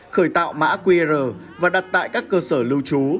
khởi tạo mã qr và đặt tại các cơ sở lưu trú